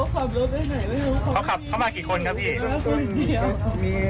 เขาขับรถไหนไม่รู้เขาไม่มีมาคนเดียว